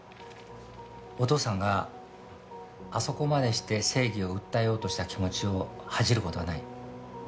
お父さんがあそこまでして正義を訴えようとした気持ちを恥じる事はない。